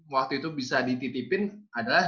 waktu itu bisa dititipin adalah